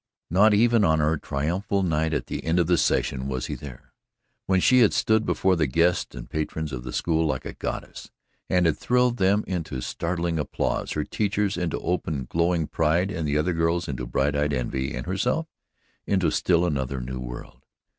Not even on her triumphal night at the end of the session was he there, when she had stood before the guests and patrons of the school like a goddess, and had thrilled them into startling applause, her teachers into open glowing pride, the other girls into bright eyed envy and herself into still another new world.